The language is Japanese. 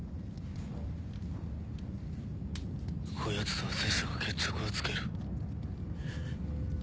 こやつとは拙者が決着をつける。